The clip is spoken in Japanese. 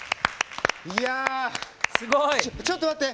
いやちょっと待って！